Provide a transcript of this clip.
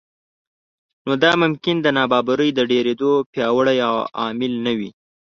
نو دا ممکن د نابرابرۍ د ډېرېدو پیاوړی عامل نه وي